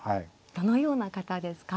どのような方ですか？